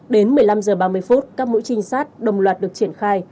đến một mươi năm h ba mươi các mũi trinh sát đồng loạt được triển khai